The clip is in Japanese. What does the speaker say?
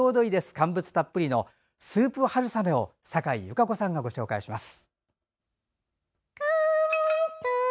乾物たっぷりのスープ春雨をサカイ優佳子さんがご紹介します。